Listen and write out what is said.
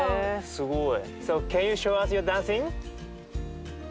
すごい。